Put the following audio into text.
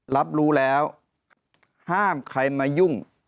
รับรู้แล้วห้ามใครมายุ่ง